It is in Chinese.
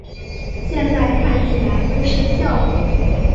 现在看起来都是笑话